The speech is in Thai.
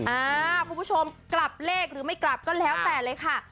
คุณผู้ชมกลับเลขหรือไม่กลับก็แล้วแต่เลยค่ะ